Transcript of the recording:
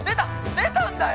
出たんだよ！」